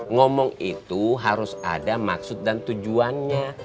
ngomong itu harus ada maksud dan tujuannya